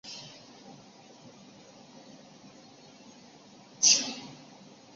白洋淀足球场与杨浦区青少年业余体育学校足球分校合署。